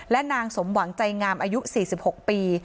และนางสมหวังใจงามอายุสี่สิบหกปี